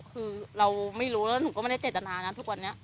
คือ้เราไม่รู้แล้วฉันก็ไม่ได้เจตนาเรื่องนี้